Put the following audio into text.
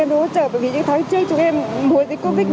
anh ơi anh ơi em đi điện viên